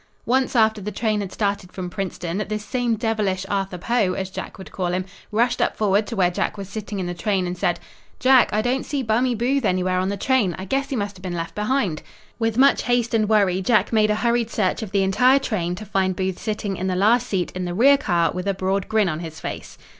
Once after the train had started from Princeton this same devilish Arthur Poe, as Jack would call him, rushed up forward to where Jack was sitting in the train and said: "Jack, I don't see Bummie Booth anywhere on the train. I guess he must have been left behind." With much haste and worry Jack made a hurried search of the entire train to find Booth sitting in the last seat in the rear car with a broad grin on his face.